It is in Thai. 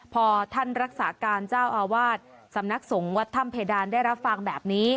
พอท่านรักษาการเจ้าอาวาสสำนักสงฆ์วัดถ้ำเพดานได้รับฟังแบบนี้